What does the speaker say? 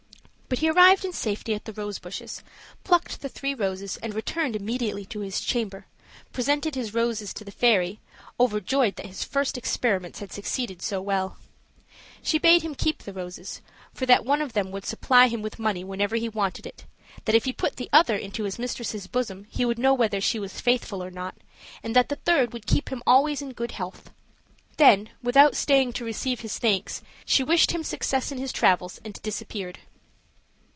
But he arrived in safety at the rose bushes, plucked the three roses, and returned immediately to his chamber; presented his roses to the fairy, overjoyed that his first experiments had succeeded so well. She bade him keep the roses, for that one of them would supply him with money whenever he wanted it; that if he put the other into his mistress' bosom, he would know whether she was faithful or not; and that the third would keep him always in good health. Then, without staying to receive his thanks, she wished him success in his travels and disappeared.